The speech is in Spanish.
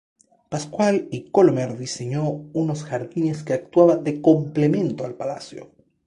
Pascual y Colomer diseñó unos jardines que actuaban de complemento al palacio.